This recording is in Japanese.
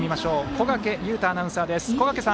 小掛雄太アナウンサーです。